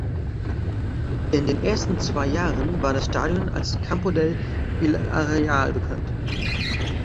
In den ersten zwei Jahren war das Stadion als "Campo del Villarreal" bekannt.